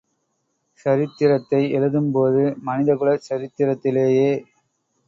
சரித்திரத்தை எழுதும் போது மனித குல சரித்திரத்திலேயே